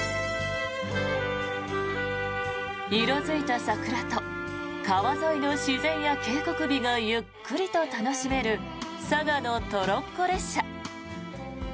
色付いた桜と川沿いの自然や渓谷美がゆっくりと楽しめる嵯峨野トロッコ列車。